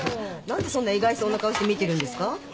何でそんな意外そうな顔して見てるんですか？